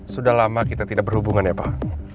sudah lama kita tidak berhubungan ya pak